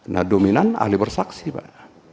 nah dominan ahli bersaksi pak